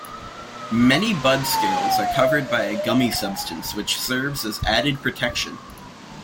Many bud scales are covered by a gummy substance which serves as added protection.